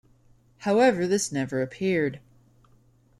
However this never appeared.